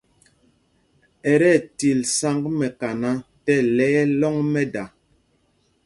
Ɛ ti ɛtil sǎŋg wɛ̄ mɛkana tí ɛlɛ̄y ɛ lɔ̂ŋ mɛ́da.